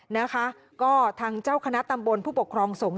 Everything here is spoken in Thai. นะคะก็ทางเจ้าคณะตำบลผู้ปกครองสงฆ